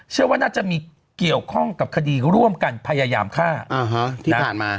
เชื่อว่าน่าจะมีเกี่ยวข้องกับคดีร่วมกันพยายามฆ่าที่ผ่านมา